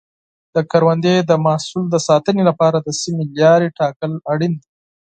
د کروندې د محصول د ساتنې لپاره د سمې لارې ټاکل اړین دي.